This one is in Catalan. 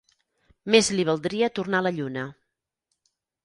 Més li valdria tornar a la lluna.